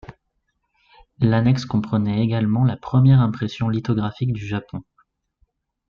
L'annexe comprenait également la première impression lithographique du Japon.